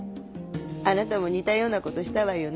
あなたも似たようなことしたわよね。